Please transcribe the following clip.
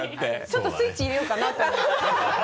ちょっとスイッチ入れようかなと思って。